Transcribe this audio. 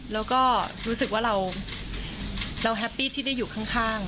แล้วก็รู้สึกว่าเราแฮปปี้ที่ได้อยู่ข้าง